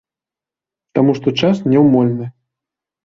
Таму што час няўмольны.